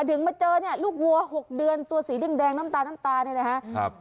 ถึงมาเจอลูกวัว๖เดือนตัวสีแดงน้ำตาลในนะครับ